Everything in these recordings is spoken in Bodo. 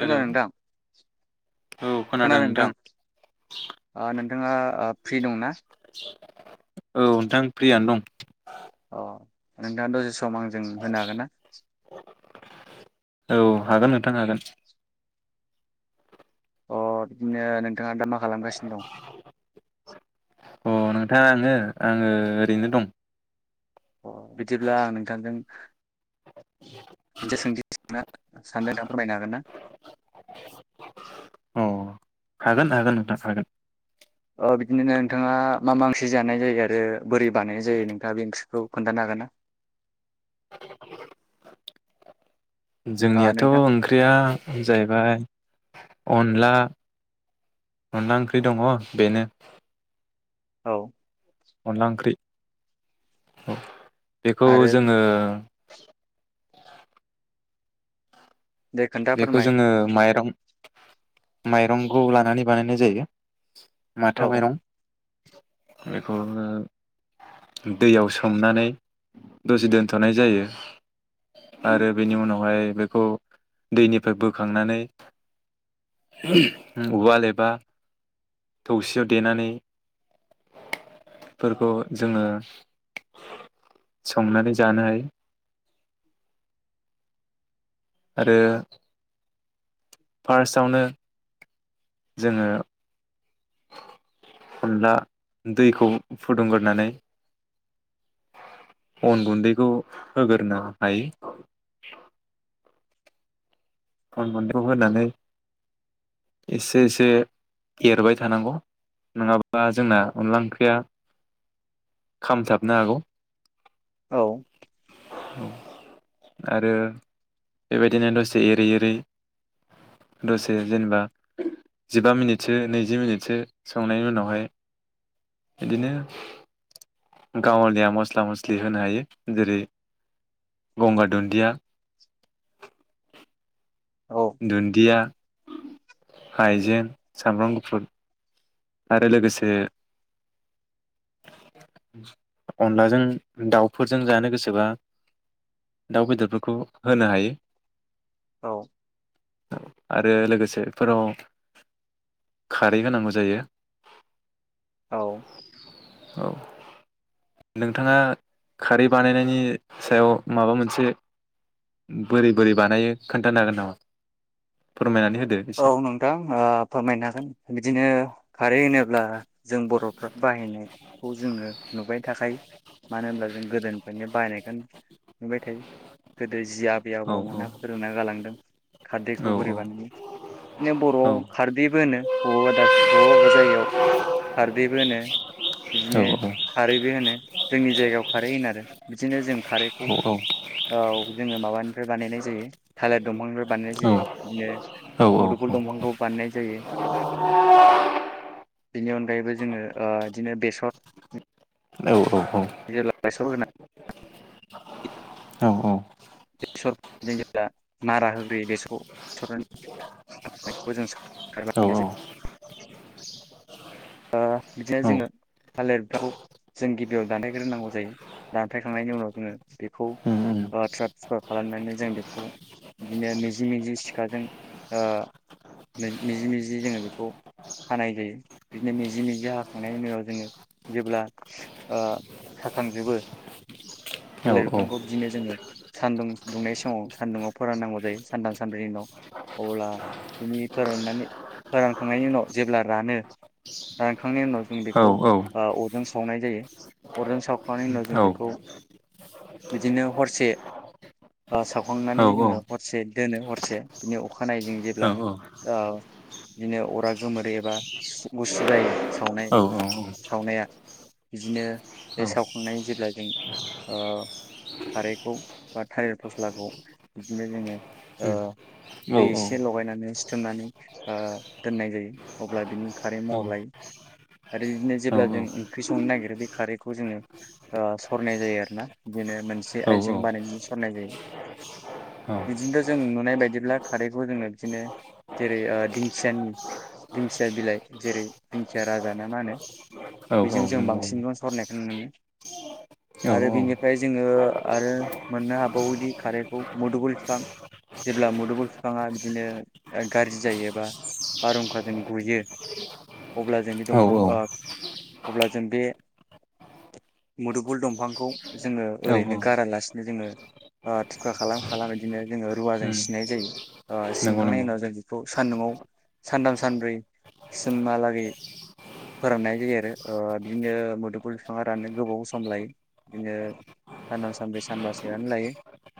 हेलौ थां औ खोनादों नोंथां थां ओ नोंथाङा ओ फ्रि दंना? औ नोंथां फ्रियानो दं। ओं दा दसेस सम आंजों होनो हागोन ना? औ हागोन नोंथां हागोन। अ बिदिनो नों नोंथाङा दा मा खालामगासिनो दं? नोंथा आङो-आङो ओरैनो दं। बिदिब्ला आं नोंथांजों मोनसे सोंथि सोंनो सानदों फोरमायनो हागोन ना? हागोन-हागोन नोंथां हागोन। बिदिनो नोंथाङा मा मा ओंसे जानाय जायो आरो बोरै बानायनाय जायो नोंथाङा बे ओंख्रिखौ खोनथानो हागोन ना? [inaudible] ओ जोंनियाथ' नोंथां ओंख्रिया जाहैबाय अनला-अनला ओंख्रि दङ बेनो औ अनला ओंख्रि औ बेखौ आरो जोङो [inaudible] दे खोन्था बेखौ फोरमाय जोङो माइरं माइरंखौ लानानै बानायनाय जायो। औ माथा माइरं बेखौ ओ दैयाव सोमनानै दसे दोनथ'नाय जायो आरो बेनि उनावहाय बेखौ दैनिफ्राय बोखांनानै उवाल एबा थौसियाव देनानै फोरखौ जोङो संनानै जानो हायो। आरो फार्स्टआवनो जोङो अनला दैखौ फुदुंग्रोनानै अन गुन्दैखौ होगोरो हायो। अन गनखौ होनानै एसे-एसे एरबाय थानांगौ नङाबा जोंना अनला ओंख्रिया खामथाबनो हागौ। औ आरो बेबायदिनो दसे एरै-एरै दसे जेनेबा जिबा मिनिटसो नैजि मिनिटसो संनायनि उनावहाय बिदिनो गावलिया मस्ला मस्लि होनो हायो जेरै गंगार दुन्दिया [inaudible] औ दुन्दिया हायजें सामब्राम गुफुर आरो लोगोसे अनलाजों दाउफोरजों जानो गोसोबा दाउ बेदरफोरखौ होनो हायो। औ आरो लोगोसे बेफोराव खारै होनांगौ जायो औ औ नोंथाङा खारै बानायनायनि सायाव माबा मोनसे बोरै-बोरै बानायो खोन्थानो हागोन नामा फोरमायनानै हो औ नोंथां ओ फोरमायनो हागोन बिदिनो खारै होनोब्ला जों बर'फ्रा बाहायनायखौ जोङो नुबाय थाखायो मानो होनब्ला जों गोदोनिफ्रायनो बायनायखौ नुबाय थायो गोदो जि आबै औ आबौमोना फोरोंना गालांदों औ खारदैखौ बोरै बानायो बिदिनो औ बरआव खारदैबो होनो [unintelligible] बबेबा बबेबा जायगायाव खारदैबो होनो औ बिदिनो खारैबो होनो जोंनि जायगायाव खारै होनो आरो बिदिनो जों खारैखौ औ जोङो माबानि बानायनाय जायो थालिर दंफांनि बानाय औ जायो बिदिनो औ मुदफुल दंफांखौ बानायनाय जायो। बेनि अनगायैबो जोङो ओ बिदिनो बेसर जेब्ला बायसहोना बेसर जेब्ला नारा होग्रोयो औ [unintelligible] ओ बिदिनो जोङो थालिरबिफांखौ जों गिबियाव दानफायग्रोनांगौ जायो दानफायखांनायनि उनाव जोङो बेखौ थुख्रा थुख्रा खालामनानै जों बेखौ बिदिनो मिजि मिजि सिखाजों ओ मिजि मिजि जोङो बेखौ हानाय जायो। बिदिनो मिजि मिजि हाखांनायनि उनाव जोङो जेब्ला ओ हाखांजोबो थालिर बिफांखौ बिदिनो जोङो सानदुं दुंनाय समाव सानदुंआव फोराननांगौ जायो सानथाम सानब्रैनि उनाव अब्ला बिनि फोराननानै फोरानखांनायनि उनाव जेब्ला रानो रानखांनायनि उनाव जों बेखौ अरजों सावनाय जायो अरजों सावखांनायनि उनाव जों बेखौ बिदिनो हरसे औ सावखांनानै औ जोङो हरसे दोनो हरसे बिनि अखानायै जों औ नंगौ औ जेब्ला ओ बिदिनो अरा गोमोरो एबा गुसु जायो सावनाय सावनाया बिदिनो बे सावखांनाय जेब्ला जों ओ खारैखौ बा थालिर फस्लाखौ बिदिनो जोङो ओ दै एसे लगायनानै सिथोमनानै दोननाय जायो अब्ला बिनि खारै महर लायो आरो बिदिनो जेब्ला जों ओंख्रि संनो नागिरो बे खारैखौ जोङो ओ सरनाय जायो आरोना बिदिनो मोनसे आइजें बानायनो सरनाय जायो बिदिनोथ जों नुनाय बायदिब्ला खारैखौ जोङो बिदिनो जेरै दिंखयानि दिंखया बिलाइ जेरै दिंखिया राजा ना मा होनो बेजों जों औ नंगौ बांसिनल' सरनायखौ नुनो मोनो आरो बेनिफ्राय जोङो आरो मोननो हाबावोदि खारैखौ मुदुबल बिफां जेब्ला मुदुबल बिफाङा बिदिनो गाज्रि जायोबा बारहुंखाजों गुयो अब्ला जों बे दंफां ओ अब्ला जों बे मुदुगुल दंफांखौ जोङो ओरैनो गारालासिनो जोङो ओ थुखा खालाम खालाम बिदिनो जोङो रुवाजों सिनाय जायो सिनखांनायनि नंगौ उनाव जों बेखौ सानदुंआव सानथाम सानब्रै सिमहालागै फोराननाय जायो आरो ओ बिदिनो मोदोमफुल बिफाङा राननो गोबाव सम लायो बिदिनो सानथाम सानब्रै सानबासोआनो लायो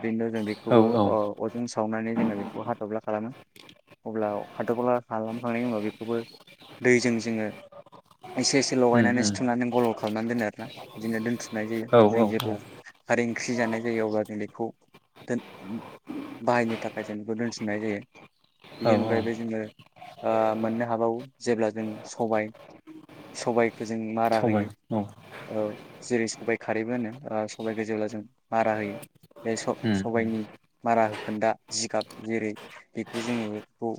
बिनि उनाव जों औ बेखौबो अजों सावनानै जोङो बेखौ हाथब्ला खालामो अब्ला हाथब्ला खालामखांनायनि उनाव बेखौबो दैजों जोङो एसे एसे लगायनानै सिथुमनानै गल्ल खालामनानै दोनो आरोना बिदिनो दोनथुमनाय जायो औ जों जेब्ला खारै ओंख्रि जानाय जायो अब्ला जों बेखौ दोन उम बाहायनो थाखाय जों बेखौ दोनथुमनाय जायो बेनि औ औ अनगायैबो जोङो ओ मोननो हाबावो। जेब्ला जों सबायाइ सबाइखौ जों मारा सबाय होयो औ ओ जेरै सबाइ खारैबो होनो सबखौ जेब्ला जों मारा होयो बे सबायाइनि मारा होखोन्दा जिगाब जेरै बेखौ जोङो बेखौ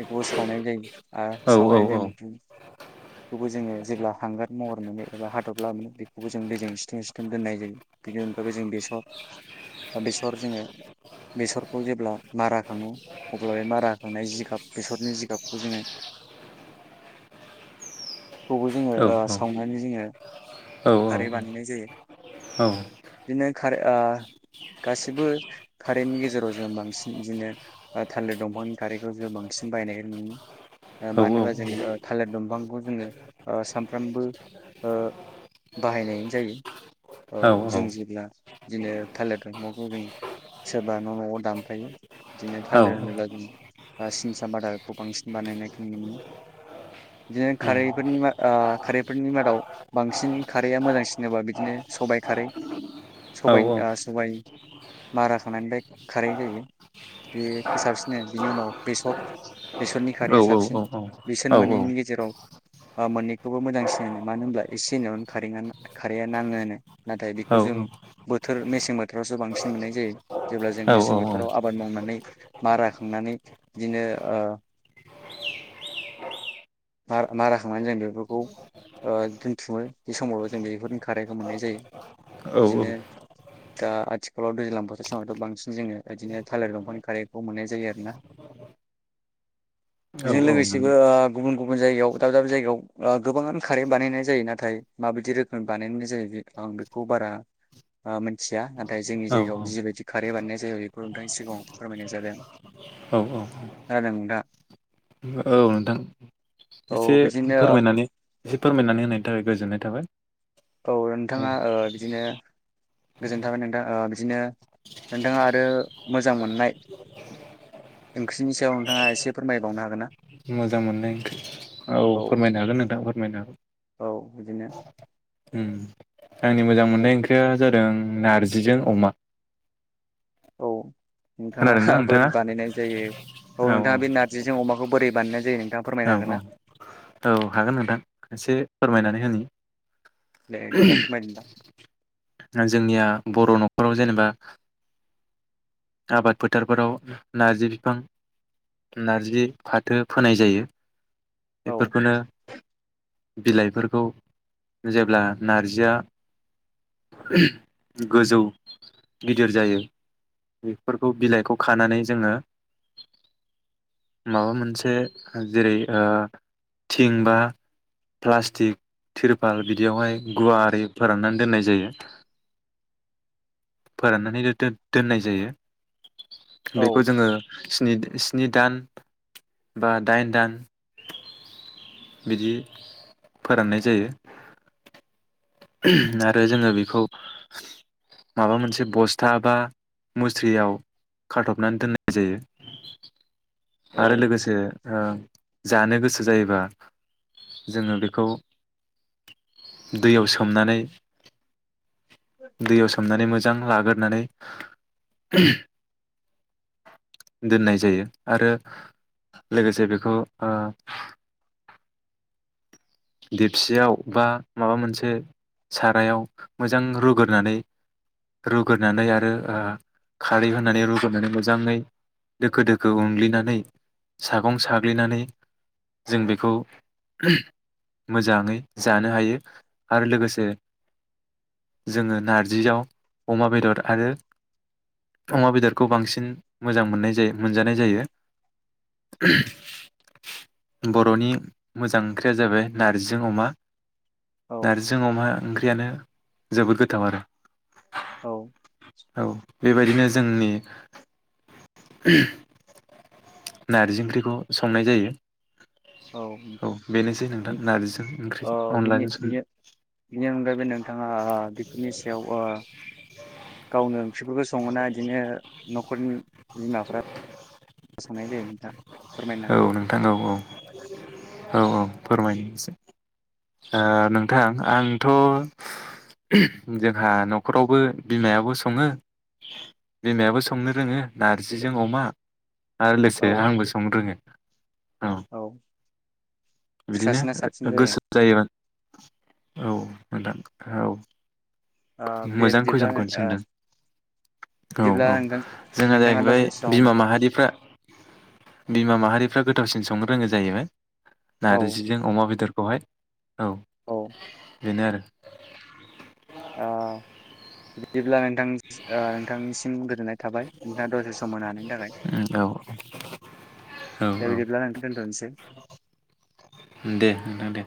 बेखौबो सावनाय जायो आरो औ औ औ सावनानै जों औ बेखौबो जोङो जेब्ला हांगार महर मोनो एबा हादबला मोनो बेखौबो जों दैजों सिथों सिथोन दोननाय जायो बेनि अनगायैबो जों बेसर बेसर जोङो बेसरखौ जेब्ला मारा खाङो अब्ला बे मारा होाखांनाय जिगाब बेसरनि जिगाबखौ जोङो खौबो जोङो ओ सावनानै जोङो खारै बानायनाय जायो बिदिनो खारै ओ गाैसैबो खारैननि गेजेराव जों बांसिन बिदिनो थालिर दंफांनि खारैखौ जों बांसिन बायनायखौ नुनो मोनो। ओ मानो होनोबा जों ओ थालिर दंफांखौ जोङो ओ सानफ्रामबो ओ बाहायनायानो जायो औ जों जेब्ला बिदिनो थालिर दंफांखौ जों सोरबा न नआव दानफायो बिदिनो थालिर होनोब्ला जों सिनसा बादाखौ बांसिन बानायनाय नो मोनो बिदिनो खारैफोरनि ओ खारैफोरनि मादाव बांसिन खारैया मोजांसिनबा बिदिनो सबाइ खारै स औ औ औ सबाय माराखांनायनिफ्राय खारै जायो बेखौ साबसिन बिनि उनाव बेसर बेसरनि खारैया साब नंगौ बिसोर मोननैनि गेजेराव आ मोननैखौबो मोजांसिन होनो मानो होनब्ला एसे होनायावनो खारैआ खारैआ नाङो होनो नाथाय बेखौ जों बोथोर मेसें बोथोरावसो बांसिन मोननाय जायो जेब्ला जों मेसें बोथोराव आबाद मावनानै माराखांनानै बिदिनो ओ माराखांनानै जों बेफोरखौ ओ दोनथुमो बे समावबो जों बेफोरनि खारैखौ मोननाय जायो बिदिनो दा आथिखालाव दैज्लां बोथोर समावथ बांसिन जोङो बिदिनो थालिर दंफांनि खारैखौ मोननाय जायो आरोना बेजों लोगोसेबो ओ गुबुन गुबुन जायगायाव दाब दाब जायगायाव गोबाङानो खारै बानायनाय जायो नाथाय माबायदि रोखोमनि बानायनाय जायो आं बेखौ बारा मिथिया नाथाय जोंनि औ जायगायाव औ जिबायदि खारै बानायनाय जायो बेखौ नोंथांनि सिगाङाव फोरमायनाय जादों आं औ औ खोनादों नोंथाङा औ नोंथां एसे फोरमायनानै एसे फोरमायनानै होनाय थाखाय गोजोननाय थाबाय औ नोंथाङा बिदिनो गोजोनाय थाबाय नोंथाङा बिदिनो नोंथाङा आरो मोजां मोननाय ओंख्रिनि सायाव नोंथाङा एसे फोरमायबावनो हागोन ना? मोजां मोननाय औ फोरमायनो हागोन नोंथां फोरमायनो हागोन औ बिदिनो उम आंनि मोजां मोननाय ओंख्रिया जादों नारजिजों अमा औ। नोंथाङा खोनादोंना नोंथाङा बोरै बानायनाय जायो औ नोंथाङा बे नारजिजों अमाखौ बे बोरै बानायनाय जायो? नोंथाङा औ फोरमायनो हागोन औ ना औ हागोन नोंथां एसे फोरमायनानै होनो दे बिदिब्ला फोरमायदो नोंथां जोंनिया बर' न'खराव जेनेबा आबाद फोथारफोराव नारजि बिफां नारजि फाथो फोनाय जायो। औ बेफोरखौनो बिलाइफोरखौ जेब्ला नारजिया गोजौ गिदिर जायो। बेफोरखौ बिलाइखौ खानानै जोङो माबा मोनसे जेरै ओ थिं बा प्लास्टिक थिरपाल बिदियावहाय गुवारै फोराननानै दोननाय जायो। फोराननानै दोननाय जायो। औ बेखौ जोङो स्नि स्नि दान बा दाइन दान बिदि फोराननाय जायो। आरो जोङो बेखौ माबा मोनसे बस्था बा मुस्रियाव खाारथबनानै दोननाय जायो। आरो औ लोगोसे ओ। जानो गोसो जायोबा जोङो बेखौ दैयाव सोमनानै दैयाव सोमनानै मोजां। लाग्रोनानै दोननाय जायो आरो लोगोसे बेखौ ओ देपसियाव बा माबा मोनसे सारायाव मोजां रुग्रोनानै रुग्रोनानै आरो ओ खारै होनानै रुग्रोनै मोजाङै दोखो दोखो उंग्लिनानै सागं साग्लिनानै जों बेखौ मोजाङै जानो हायो आरो लोगोसे जोङो नारजियाव अमा बेदर आरो अमा बेदरखौ बांसिन मोजां मोननाय जायो मोनजानाय जायो। बर'नि मोजां ओंख्रिया जाबाय नारजिजों अमा औ नारजिजों अमा ओंख्रियानो जोबोद गोथाव आरो औ औ बेबायदिनो जोंनि नारजि ओंख्रिखौ संनाय जायो। औ नोंथां बेनोसै नोंथां नारजिजों ओ ओंख्रिजों बिनि अनलाजों सं बिनि बिनि अनगायैबो नोंथाङा बेफोरनि सायाव ओ [unintelligible] गावनो ओंख्रिफोरखौ सङोना बिदिनो न'खरनि बिमाफ्रा संनाय जायो नोंथां फोरमायनो हागोन ना औ नोंथां फोरमायसै ओ नोंथां आंथ' जोंहा न'खरावबो बिमायाबो सङो बिमायाबो संनो रोङो नारजिजों अमा आर लोसे औ आंबो संनो रोङो औ बिदिनो सासेना साबसिन जायो गोसो औ नोंथां औ। ओ दे मोजां बिदिब्ला कुइसनखौनो ओ सोंदों औ बिदिब्ला औ नोंथां जोंहा नोंथाङा जाहैबाय दसे सम बिमा माहारिफ्रा बिमा माहारिफ्रा गो थोरसिन संनो रोङो जायोबाय औ नारजिजों अमा बेदर खौहाय औ बेनो आरो औ। बिदिब्ला नोंथां आ नोंथां उं गोजोननाय थाबाय दा दसे सम होनो हानायनि थाखाय औ औ दा औ बिदिब्ला नोंथां दोनथ'सै। दे नोंथां दे।